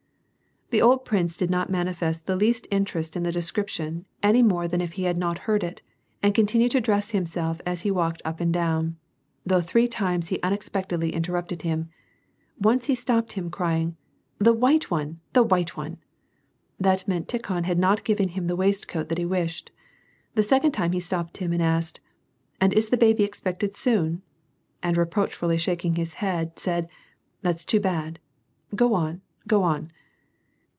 The old prince did not manifest the least interest in the description,.any more than if he had not heard it, and continued to dress hiriiself as he walked mp and down ; though three times he unexpectedly interrupted him. Once he stopped hiin by crying, " The white one ! the white one !" That meant that Tikhon had not given him the waistcoat that he wished. The second time he stopped and asked, " And is the baby expected soon ?" and reproachfully shaking his head, said, " That's too bad, — go on, go on